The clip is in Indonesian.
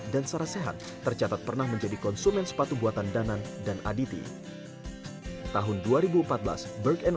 dan sarah sehat tercatat pernah menjadi konsumen sepatu buatan danan dan aditi tahun dua ribu empat belas berken